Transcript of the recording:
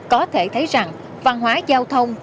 có thể thấy rằng văn hóa giao thông